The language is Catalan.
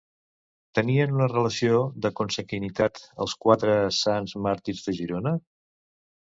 Tenien una relació de consanguinitat els Quatre Sants Màrtirs de Girona?